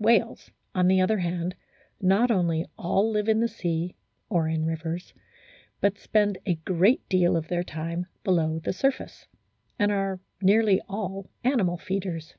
Whales, on the other hand, not only all live in the sea (or in rivers), but spend a great deal of their time below the surface, and are nearly all animal feeders.